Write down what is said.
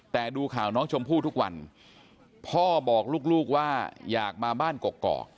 แต่ดูข่าวน้องชมพู่ทุกวันพ่อบอกลูกว่าอยากมาบ้านกกอก